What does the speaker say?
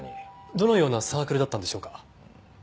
どのようなサークルだったんでしょうか？